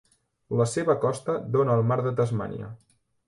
La seva costa dona al mar de Tasmània.